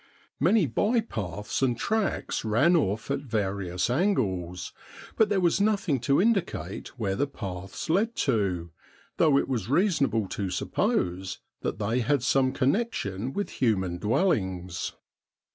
Many by paths and tracks ran off at various angles, but there was nothing to indicate where the paths led to, though it was reasonable to suppose that they had some connection with human dwellings.